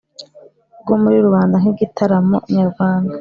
bwo muri rubanda nk’ igitaramo nyarwanda,